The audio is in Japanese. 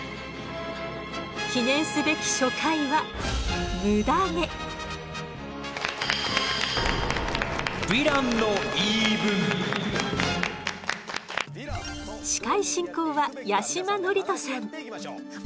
記念すべき初回は司会進行は八嶋智人さん。